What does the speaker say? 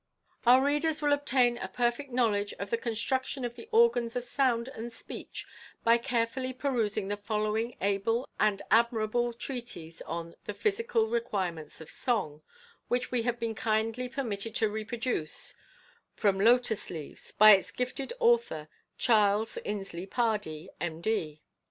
Our readers will obtain a perfect knowledge of the construc tion of the organs of sound and speech by carefully perusing the following able and admirable treatise on " The Physical Requirements of Song" which we have been kindly permitted to reproduce from Lotus Leaves, by its gifted author, Charles Inslee Pardee, M. D.